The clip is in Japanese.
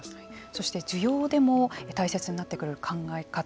そして重要でも大切になってくる考え方